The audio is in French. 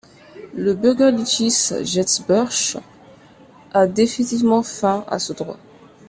Le Bürgerliches Gesetzbuch a définitivement fin à ce droit.